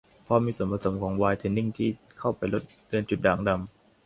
เพราะมีส่วนผสมของไวท์เทนนิ่งที่เข้าไปลดเลือนจุดด่างดำ